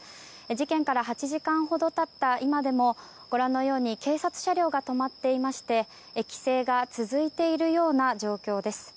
事件から８時間ほど経った今でもご覧のように警察車両が止まっていまして規制が続いているような状況です。